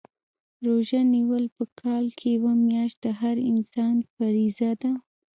روژه نیول په کال کي یوه میاشت د هر مسلمان فریضه ده